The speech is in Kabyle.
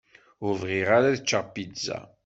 Ur bɣiɣ ara ad ččeɣ pizza.